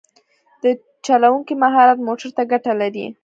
د چلوونکي مهارت موټر ته ګټه لري.